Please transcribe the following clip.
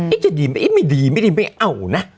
จะดีไหมเอ๊ะไม่ดีไม่ดีไม่เอานะ